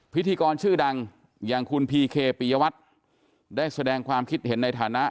พิธีกรชื่อดังอย่างคุณพีเคปียวัตรได้แสดงความคิดเห็นในฐานะ